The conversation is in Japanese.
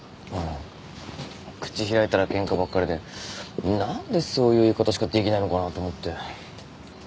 あっ口開いたらケンカばっかりで何でそういう言い方しかできないのかなと思って。